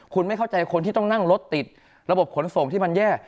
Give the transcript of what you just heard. คุณไม่เข้าใจคนที่ต้องนั่งรถติดระบบขนส่งที่มันแย่